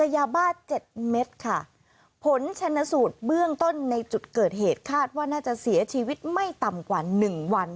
ยาบ้า๗เม็ดค่ะผลชนสูตรเบื้องต้นในจุดเกิดเหตุคาดว่าน่าจะเสียชีวิตไม่ต่ำกว่าหนึ่งวัน